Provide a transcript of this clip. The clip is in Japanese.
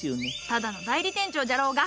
ただの代理店長じゃろうが。